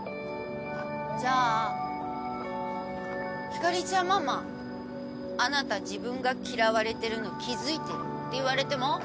じゃあ「光莉ちゃんママあなた自分が嫌われてるの気付いてる？」って言われても？